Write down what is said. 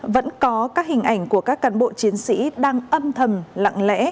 vẫn có các hình ảnh của các cán bộ chiến sĩ đang âm thầm lặng lẽ